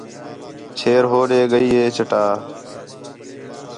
چھیر ہوݙے ڳئی ہِے چٹا